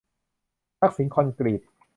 ทักษิณคอนกรีต